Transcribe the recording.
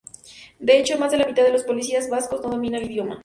De hecho, más de la mitad de los policías vascos no domina el idioma.